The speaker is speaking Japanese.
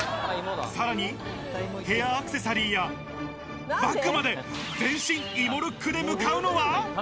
さらにヘアアクセサリーやバッグまで、全身、芋ルックで向かうのは。